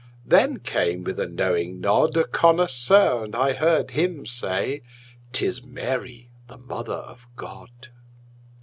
Then came, with a knowing nod, A connoisseur, and I heard him say; "'Tis Mary, the Mother of God."